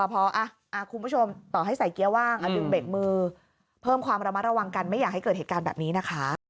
พอคุณผู้ชมต่อให้ใส่เกียร์ว่างดึงเบรกมือเพิ่มความระมัดระวังกันไม่อยากให้เกิดเหตุการณ์แบบนี้นะคะ